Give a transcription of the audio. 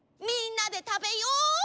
みんなでたべよ！